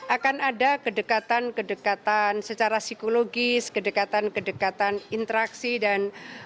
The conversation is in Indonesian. akan ada kedekatan kedekatan secara psikologis kedekatan kedekatan interaksi dan